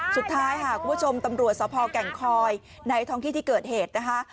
สุดท้ายค่ะคุณผู้ชมตำรวจสภแก่งคอยในท้องที่ที่เกิดเหตุนะคะ